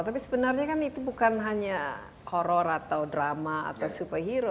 tapi sebenarnya kan itu bukan hanya horror atau drama atau superhero